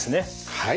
はい。